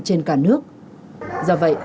trên cả nước do vậy